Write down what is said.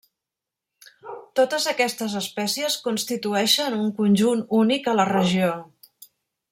Totes aquestes espècies constitueixen un conjunt únic a la regió.